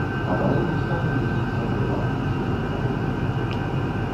Абалонь стала лічыцца прывабным жылым раёнам.